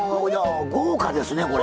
豪華ですねこれ。